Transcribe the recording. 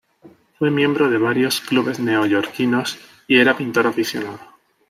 Fue miembro de varios clubes neoyorquinos, y era pintor aficionado.